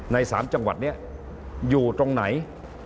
ใน๓จังหวัดนี้อยู่ตรงไหน